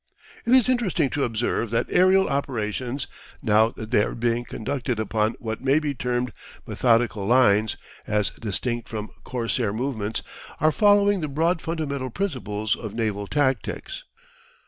It is interesting to observe that aerial operations, now that they are being conducted upon what may be termed methodical lines as distinct from corsair movements, are following the broad fundamental principles of naval tactics.